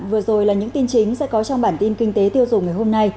vừa rồi là những tin chính sẽ có trong bản tin này